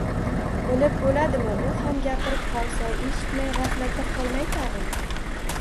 Bilib boʻladimi, u ham gapirib qolsa, eshitmay gʻaflatda qolmay, tagʻin.